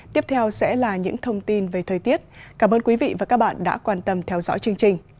tiếp theo sẽ là những thông tin về thời tiết cảm ơn quý vị và các bạn đã quan tâm theo dõi chương trình